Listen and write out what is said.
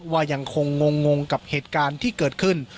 ว่ายังคงงงกับเหตุการณ์ที่เกิดขึ้น